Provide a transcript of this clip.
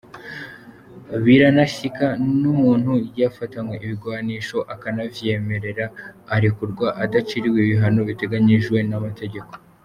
Biranashika n’umuntu yafatanywe ibigwanisho akanavyiyemerera arekurwa adaciriwe ibihano bitegekanijwe n’amategeko.